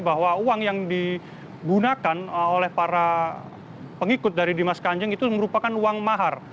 bahwa uang yang digunakan oleh para pengikut dari dimas kanjeng itu merupakan uang mahar